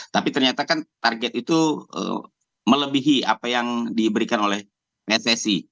tapi ternyata kan target itu melebihi apa yang diberikan oleh pssi